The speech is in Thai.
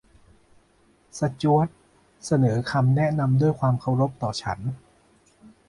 สจ๊วตเสนอคำแนะนำด้วยความเคารพต่อฉัน